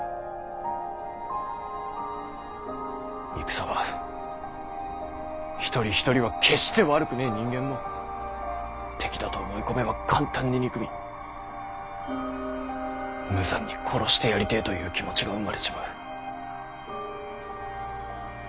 戦は一人一人は決して悪くねぇ人間も敵だと思い込めば簡単に憎み無残に殺してやりてぇという気持ちが生まれちまう。